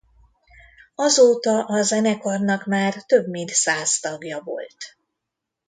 Azóta a zenekarnak már több mint száz tagja volt.